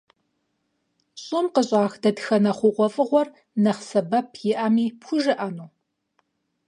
ЩӀым къыщӀах дэтхэнэ хъугъуэфӀыгъуэр нэхъ сэбэп иӀэми пхужыӀэну?